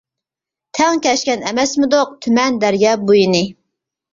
تەڭ كەچكەن ئەمەسمىدۇق، تۈمەن دەريا بويىنى.